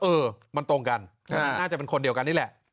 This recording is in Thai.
เออมันตรงกันน่าจะเป็นคนเดียวกันนี่แหละ